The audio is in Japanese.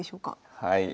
はい。